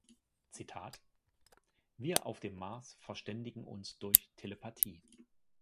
Zitat: "Wir auf dem Mars verständigen uns durch Telepathie.